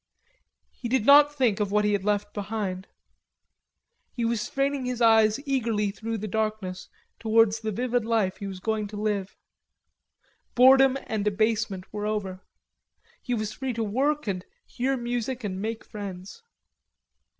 He did not think of what he had left behind. He was straining his eyes eagerly through the darkness towards the vivid life he was going to live. Boredom and abasement were over. He was free to work and hear music and make friends.